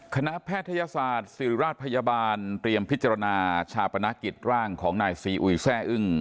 แพทยศาสตร์ศิริราชพยาบาลเตรียมพิจารณาชาปนกิจร่างของนายซีอุยแซ่อึ้ง